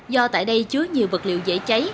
do tại đây chứa nhiều vật liệu dễ cháy